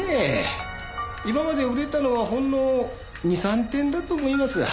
今まで売れたのはほんの２３点だと思いますが。